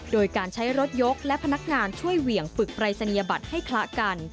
โดยการใช้รถยกและพนักงานช่วยเหวี่ยงฝึกปรายศนียบัตรให้คละกัน